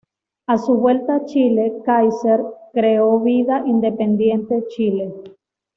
A su vuelta a Chile, Kaiser creó Vida Independiente Chile.